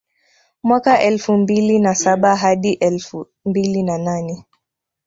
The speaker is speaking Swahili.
Mwaka elfu mbili na saba hadi elfu mbili na nane